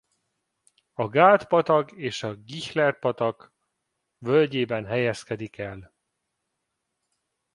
A Gáld-patak és Ghilcer-patak völgyében helyezkedik el.